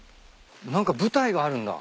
何か舞台があるんだ。